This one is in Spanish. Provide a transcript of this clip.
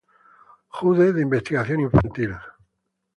Jude de Investigación Infantil.